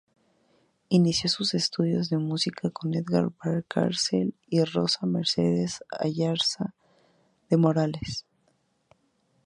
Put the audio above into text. Inició sus estudios de música con Edgar Valcárcel y Rosa Mercedes Ayarza de Morales.